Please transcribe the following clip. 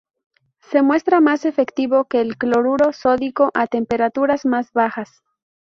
Se muestra más efectivo que el cloruro sódico a temperaturas más bajas.